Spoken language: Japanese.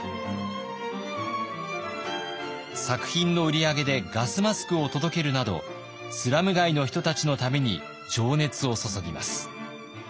作品の売り上げでガスマスクを届けるなどスラム街の人たちのために情熱を注ぎます。